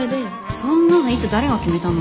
そんなのいつ誰が決めたの？